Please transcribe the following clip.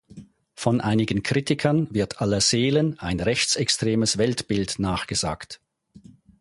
Von einigen Kritikern wird Allerseelen ein rechtsextremes Weltbild nachgesagt.